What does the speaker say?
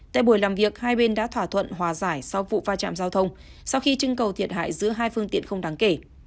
tại buổi làm việc hai bên đã thỏa thuận hòa giải sau vụ va chạm giao thông sau khi trưng cầu thiệt hại giữa hai phương tiện không đáng kể